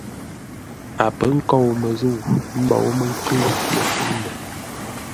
A pə̌ nkôu məzə̂u, ə́ mbou mə́ nkʉ̂ʉ mətû-ndə̂.